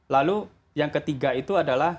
lalu yang ketiga itu adalah